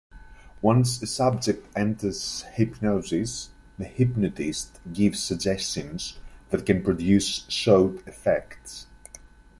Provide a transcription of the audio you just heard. Once a subject enters hypnosis, the hypnotist gives suggestions that can produce sought effects.